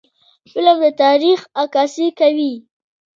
فلم د تاریخ عکاسي کوي